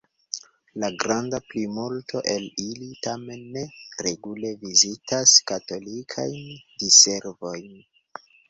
La granda plimulto el ili tamen ne regule vizitas katolikajn diservojn.